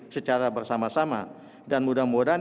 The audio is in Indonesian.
secara bersama sama dan mudah mudahan